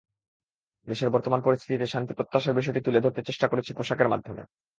দেশের বর্তমান পরিস্থিতিতে শান্তি প্রত্যাশার বিষয়টি তুলে ধরতে চেষ্টা করেছি পোশাকের মাধ্যমে।